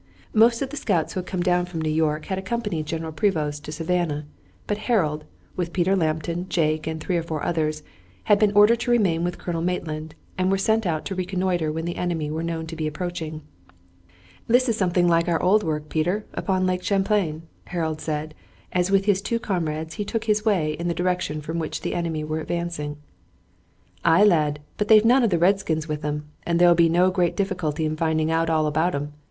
Most of the scouts who had come down from New York had accompanied General Prevost to Savannah, but Harold, with Peter Lambton, Jake, and three or four others, had been ordered to remain with Colonel Maitland, and were sent out to reconnoiter when the enemy were known to be approaching. "This is something like our old work, Peter, upon Lake Champlain," Harold said, as with his two comrades he took his way in the direction from which the enemy were advancing. "Ay, lad, but they've none of the redskins with 'em, and there'll be no great difficulty in finding out all about 'em.